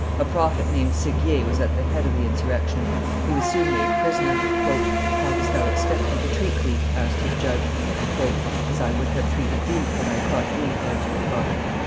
A prophet named Seguier was at the head of the insurrection. He was soon made prisoner. "How dost thou expect me to treat thee?" asked his judge. "As I would have treated thee, had I caught thee," answered the prophet.